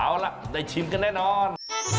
เอาล่ะได้ชิมกันแน่นอน